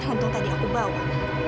untung tadi aku bawa